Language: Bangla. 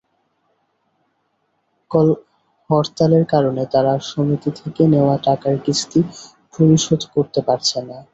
হরতালের কারণে তাঁরা সমিতি থেকে নেওয়া টাকার কিস্তি পরিশোধকরতে পারছেন না।